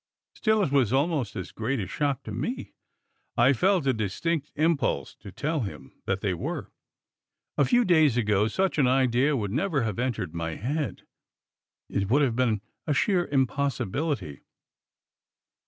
Still, it was almost as great a shock to me. I felt a distinct impulse to tell him that they were. A few days ago, such an idea would never have entered my head. It would have been a sheer impossibility."